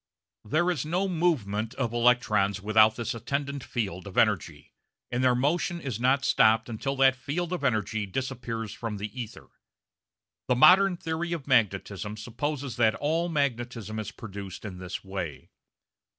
There is no movement of electrons without this attendant field of energy, and their motion is not stopped until that field of energy disappears from the ether. The modern theory of magnetism supposes that all magnetism is produced in this way.